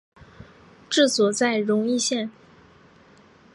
治所在荣懿县。